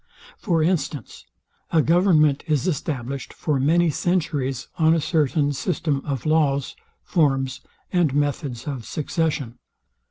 For instance; a government is established for many centuries on a certain system of laws, forms, and methods of succession.